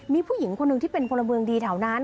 มีผู้หญิงคนหนึ่งที่เป็นพลเมืองดีแถวนั้น